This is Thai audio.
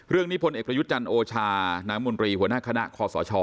เรื่องนี้พลเอกประยุทธ์จันทร์โอชานามุนรีหัวหน้าคณะคสช